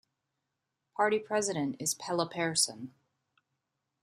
Party president is Pelle Persson.